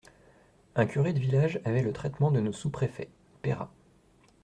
Un curé de village avait le traitement de nos sous-préfets (Peyrat).